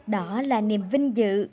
đó là niềm vinh dự